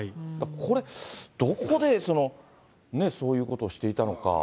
これ、どこでそういうことをしていたのか。